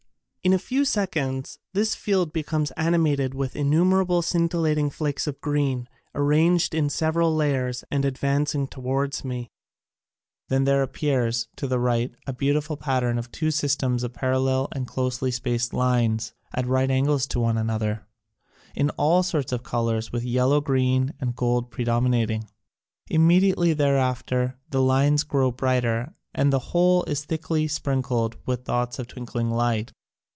In a few seconds this field becomes ani mated with innumerable scintillating flakes of green, arranged in several layers and advancing towards me. Then there ap pears, to the right, a beautiful pattern of two systems of parallel and closely spaced lines, at right angles to one another, in all sorts of colors with yellow green and gold predominating. Immediately thereafter the lines grow brighter and the whole is thick ly sprinkled with dots of twinkling light.